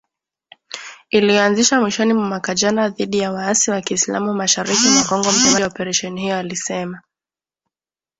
iliyoanzishwa mwishoni mwa mwaka jana dhidi ya waasi wa kiislam mashariki mwa Kongo msemaji wa operesheni hiyo alisema